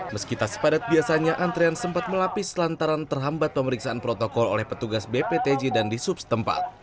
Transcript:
meskipun sepadat biasanya antrean sempat melapis lantaran terhambat pemeriksaan protokol oleh petugas bptj dan di subs tempat